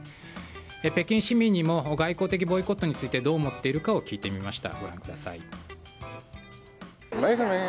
北京市民にも外交的ボイコットについてどう思っているかを聞いてみました。